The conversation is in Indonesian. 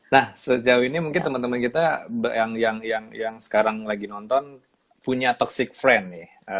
nah sejauh ini mungkin teman teman kita yang sekarang lagi nonton punya toxic friend nih